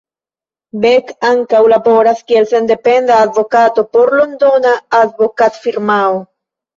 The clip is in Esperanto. Beck ankaŭ laboras kiel sendependa advokato por Londona advokatfirmao.